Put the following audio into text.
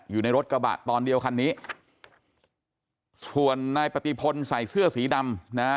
อยู่ในรถกระบะตอนเดียวคันนี้ส่วนนายปฏิพลใส่เสื้อสีดำนะฮะ